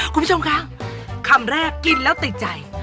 คุณผู้ชมคะคำแรกกินแล้วติดใจ